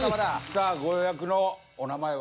さあご予約のお名前は？